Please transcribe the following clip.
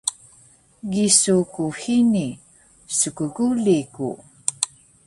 Gisu ku hini, skguli ku!